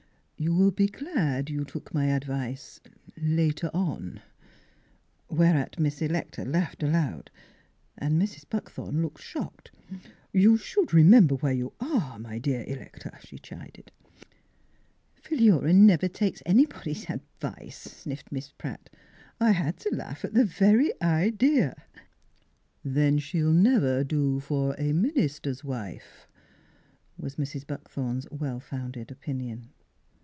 You will be glad jou took my advice later on:' Whereat Miss Electa laughed aloud, and Mrs. Buckthorn looked shocked. " You should remem.ber where you are^ my dear Electa," she chided. " Philura never takes anybody's ad vice," sniffed Miss Pratt. " I had t' laugh at the very idea! "" Then she'll never do for a minister's wife," was Mrs. Buckthorn's well founded opinion.